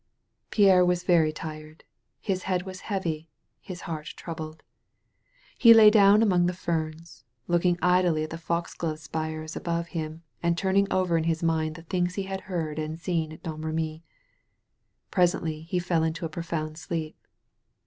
Pierre was very tired. His head was heavy, his heart troubled. He lay down among the ferns, looking idly at the fox^ove spires above him and turning over in his mind the things he had heard and seen at Domremy. Presently he fell into a profound sleep.